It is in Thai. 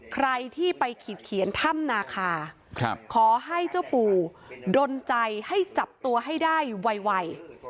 ใครที่ไปขีดเขียนถ้ำนาคาขอให้เจ้าปู่ดนใจให้จับตัวให้ได้ไว